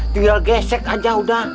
jual gesek aja udah